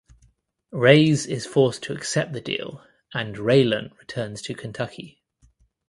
Reyes is forced to accept the deal and Raylan returns to Kentucky.